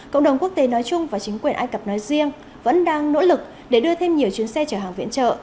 cộng đồng quốc tế nói chung và chính quyền ai cập nói riêng vẫn đang nỗ lực để đưa thêm nhiều chuyến xe chở hàng viện trợ